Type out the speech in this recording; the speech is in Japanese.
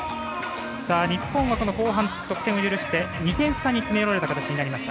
日本は後半、得点を許して２点差に詰め寄られた形になりました。